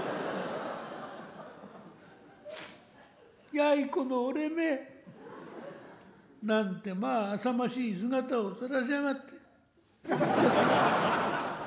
「やいこの俺め。なんてまああさましい姿をさらしやがって」。